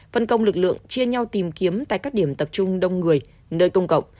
phân công lực lượng chia nhau tìm kiếm tại các điểm tập trung đông người nơi công cộng